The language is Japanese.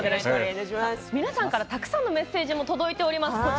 皆さんからたくさんメッセージが届いております。